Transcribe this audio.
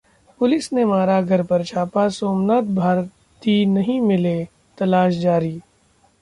police ने मारा घर पर छापा, सोमनाथ भारती नहीं मिले, तलाश जारी